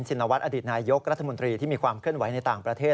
นวัฒนอดีตนายกรัฐมนตรีที่มีความเคลื่อนไหวในต่างประเทศ